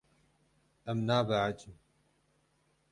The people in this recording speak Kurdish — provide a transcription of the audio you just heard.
Em nabehecin.